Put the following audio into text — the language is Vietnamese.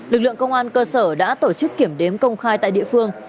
lực lượng công an cơ sở đã tổ chức kiểm đếm công khai tại địa phương